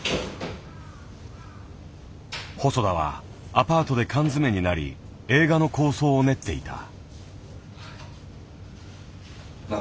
細田はアパートで缶詰めになり映画の構想を練っていた。